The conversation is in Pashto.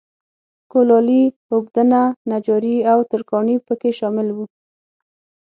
کولالي، اوبدنه، نجاري او ترکاڼي په کې شامل وو